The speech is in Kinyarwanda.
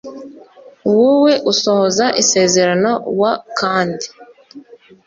wowe usohoza isezerano w kandi